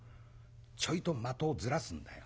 ちょいと的をずらすんだよ。